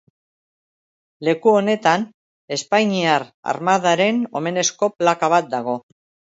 Leku honetan Espainiar Armadaren omenezko plaka bat dago.